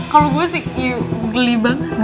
kalau gue sih geli banget